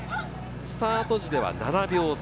スタート時では７秒差。